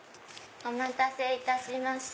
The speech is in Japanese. お待たせいたしました。